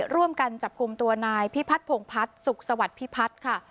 ร่วมกันจับกลุ่มตัวนายพิพัฒนผงพัฒน์สุขสวัสดิพิพัฒน์ค่ะ